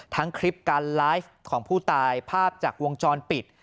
ทั้งคลิปการไลฟ์ของผู้ตายภาพจากวงจรปิด